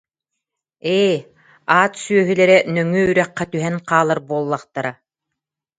Ээ, аат сүөһүлэрэ нөҥүө үрэххэ түһэн хаалар буоллахтара